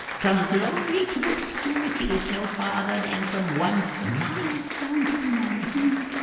From glory to obscurity is no farther than from one milestone to another!